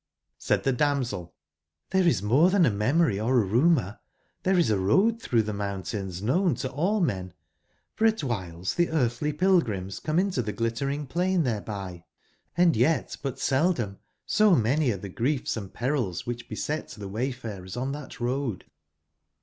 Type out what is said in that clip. j^Said the damsel: ''there is more than a memory or a rumour: there is a road through the mountains known to all men. for at whiles the earthly pilgrims come into tbe Glittering plain thereby; and yet but seldom, so many are tbe griefs and perils which be set the wayfarers on that road.